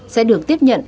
sẽ được tiếp nhận